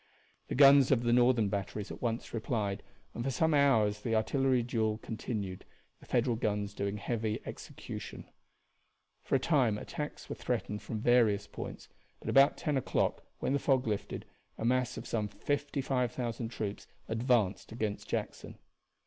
The guns of the Northern batteries at once replied, and for some hours the artillery duel continued, the Federal guns doing heavy execution. For a time attacks were threatened from various points, but about ten o'clock, when the fog lifted, a mass of some 55,000 troops advanced against Jackson.